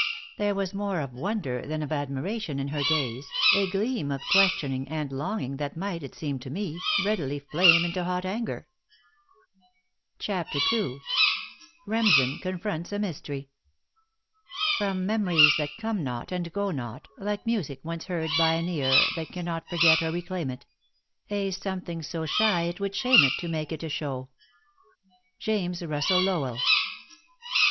There was more of wonder than of admiration in her gaze, a gleam of questioning and longing that might, it seemed to me, readily flame into hot anger. *CHAPTER II.* *REMSEN CONFRONTS A MYSTERY.* From memories that come not and go not; Like music once heard by an ear That cannot forget or reclaim it; A something so shy it would shame it To make it a show. JAMES RUSSELL LOWELL.